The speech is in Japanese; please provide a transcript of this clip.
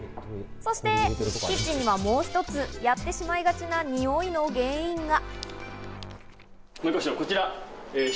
そしてキッチンにはもう一つやってしまいがちなニオイの原因が。